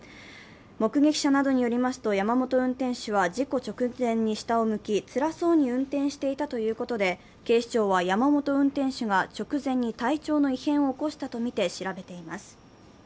目撃者などによりますと、山本運転手は事故直前に下を向きつらそうに運転していたということで、警視庁は山本運転手が直前に体調の異変を起こしたとみて調べています。